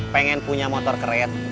pengen punya motor keren